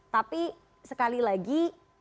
tapi sekali lagi